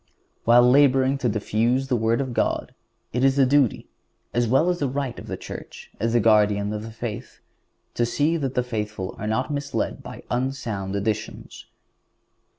While laboring to diffuse the Word of God it is the duty, as well as the right of the Church, as the guardian of faith, to see that the faithful are not misled by unsound editions.